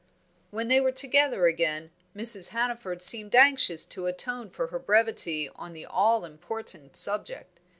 When they were together again, Mrs. Hannaford seemed anxious to atone for her brevity on the all important subject.